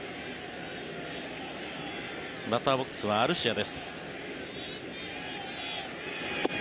バッターボックスはアルシアです。